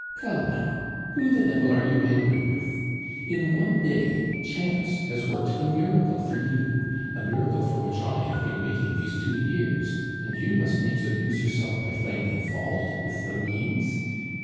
Come, now! who the devil are you angry with? In one day chance has worked a miracle for you, a miracle for which I have been waiting these two years, and you must needs amuse yourself by finding fault with the means?